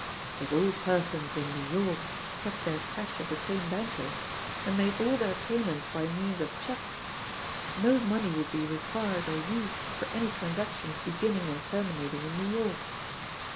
If all persons in [New York] kept their cash at the same banker's, and made all their payments by means of checks, no money would be required or used for any transactions beginning and terminating in [New York].